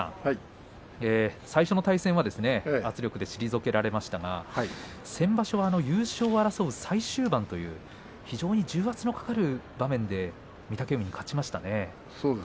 最初の対戦は圧力で退けられましたけども先場所は優勝を争う最終盤という非常に重圧のかかる場面で御嶽海に勝ちましたね。